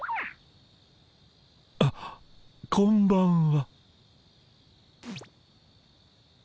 あっこんばんは。